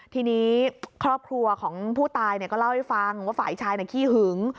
ทีนี้ครอบครัวของผู้ตายก็เล่าให้ฟังว่าฝ่ายชายขี้หึง